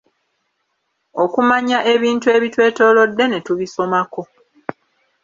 Okumanya ebintu ebitwetolodde ne tubisomako.